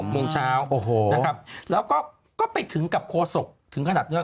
๖โมงเช้าแล้วก็ไปถึงกับโฆษกษ์ถึงขนาดนี้